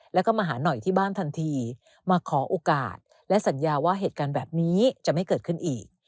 แล้วก็มาหาหน่อยที่บ้านทันทีมาขอโอกาสและสัญญาว่าเหตุการณ์แบบนี้จะไม่เกิดขึ้นอีก